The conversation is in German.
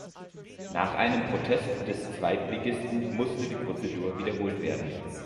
Nach einem Protest des Zweitligisten musste die Prozedur wiederholt werden.